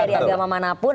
dari agama manapun